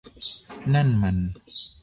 นั่นมัน